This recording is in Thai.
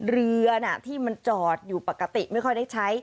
เรือที่มันจอดอยู่ปกติไม่ค่อยได้ใช้